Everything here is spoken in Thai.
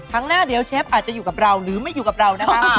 ครั้งหน้าเดี๋ยวเชฟอาจจะอยู่กับเราหรือไม่อยู่กับเรานะคะ